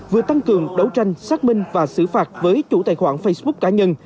vừa tăng cường đấu tranh xác minh và xử phạt với chủ tài khoản facebook cá nhân